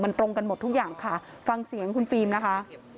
มันตรงกันหมดทุกอย่างค่ะฟังเสียงคุณฟิล์มนะคะ